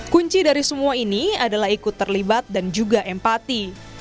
kunci dari semua ini adalah ikut terlibat dan juga empati